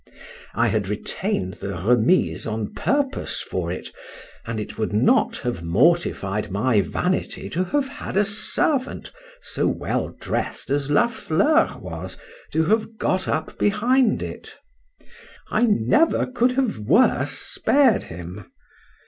—I had retained the remise on purpose for it, and it would not have mortified my vanity to have had a servant so well dress'd as La Fleur was, to have got up behind it: I never could have worse spared him.